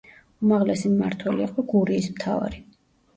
უმაღლესი მმართველი იყო გურიის მთავარი.